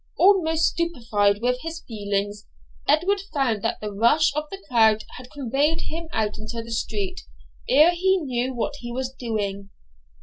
Almost stupefied with his feelings, Edward found that the rush of the crowd had conveyed him out into the street ere he knew what he was doing.